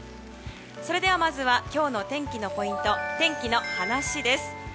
それではまずは今日の天気のポイント天気のはなしです。